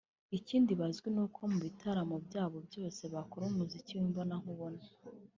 Ikindi bazwiho ni uko mu bitaramo byabo byose bakora umuziki w’imbonankubone (live)